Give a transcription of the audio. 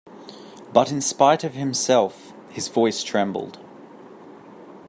But in spite of himself his voice trembled.